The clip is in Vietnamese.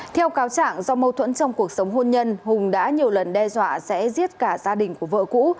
theo cáo trạng do mâu thuẫn trong cuộc sống hôn nhân hùng đã nhiều lần đe dọa sẽ giết cả gia đình của vợ cũ